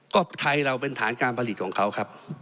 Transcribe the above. ก็ไทยเราเป็นฐานการผลิตของเขาครับ